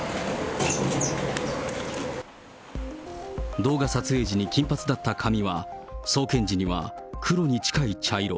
動画撮影時に金髪だった髪は、送検時には黒に近い茶色。